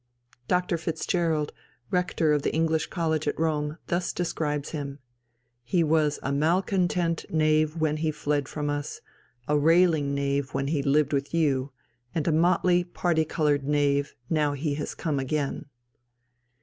Dr. Fitzgerald, Rector of the English College at Rome, thus describes him: "He was a malcontent knave when he fled from us, a railing knave when he lived with you, and a motley particoloured knave now he is come again."